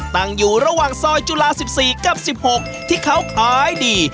ตั้งอยู่ระหว่างซอยจุฬา๑๔กับ๑๖ที่เขาขายดี